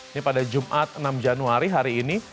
ini pada jumat enam januari hari ini